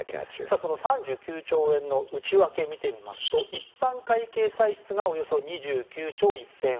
その３９兆円の内訳見てみますと一般会計歳出がおよそ２９兆１０００億円